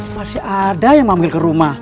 masih ada yang mau ambil ke rumah